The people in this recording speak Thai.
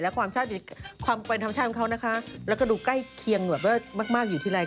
และความเป็นธรรมชาติของเขานะคะแล้วก็ดูใกล้เคียงแบบว่ามากอยู่ทีไร